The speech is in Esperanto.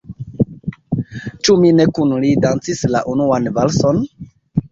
Ĉu mi ne kun li dancis la unuan valson?